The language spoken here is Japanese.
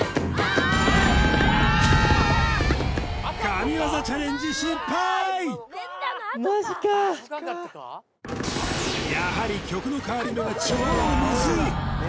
神業チャレンジ失敗やはり曲の変わり目が超ムズい